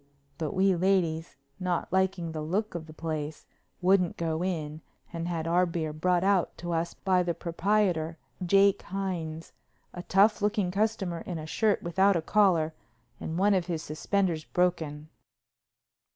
But we ladies, not liking the looks of the place, wouldn't go in and had our beer brought out to us by the proprietor, Jake Hines, a tough looking customer in a shirt without a collar and one of his suspenders broken.